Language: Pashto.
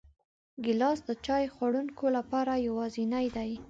ګیلاس د چای خوړونکو لپاره یوازینی دی.